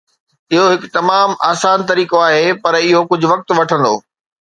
اهو هڪ تمام آسان طريقو آهي پر اهو ڪجهه وقت وٺندو